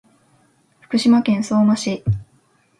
福島県相馬市